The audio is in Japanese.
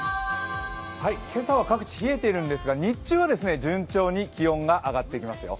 今朝は各地冷えているんですが日中は順調に気温が上がっていきますよ。